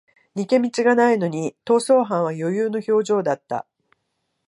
逃げ道がないのに逃走犯は余裕の表情だった